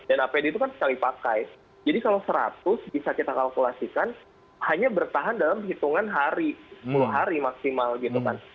dan apd itu kan sekali pakai jadi kalau seratus bisa kita kalkulasikan hanya bertahan dalam hitungan hari sepuluh hari maksimal gitu kan